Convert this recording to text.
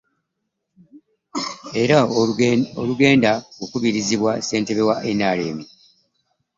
Era olugenda okukubirizibwa ssentebe wa NRM